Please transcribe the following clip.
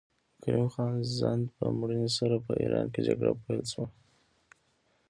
د کریم خان زند په مړینې سره په ایران کې جګړه پیل شوه.